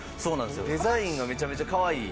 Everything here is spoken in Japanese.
デザインがめちゃめちゃかわいい。